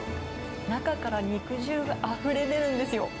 中から肉汁があふれ出るんですよ。